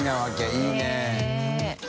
いいね。